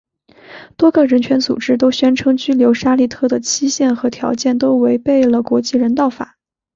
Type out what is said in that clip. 多个人权组织都宣称拘留沙利特的期限和条件都违背了国际人道法。